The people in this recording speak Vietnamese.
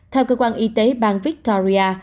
theo cơ quan y tế bang victoria